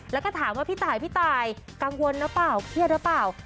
แล้วก็ถามว่าพี่ตายพี่ตายกังวลหรือเปล่าเครียดหรือเปล่า